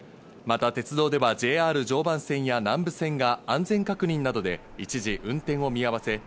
また鉄道ではＪＲ常磐線や南武線が安全確認などで一時運転を見合わせ